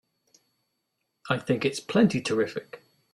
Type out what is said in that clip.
I think it's plenty terrific!